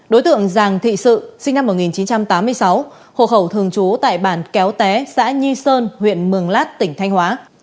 đối tượng giàng thị sự sinh năm một nghìn chín trăm tám mươi sáu hộ khẩu thường trú tại bản kéo té xã nhi sơn huyện mường lát tỉnh thanh hóa